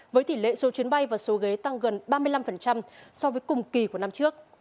với tỷ lệ số chuyến bay và số ghế tăng gần ba mươi năm so với cùng kỳ của năm trước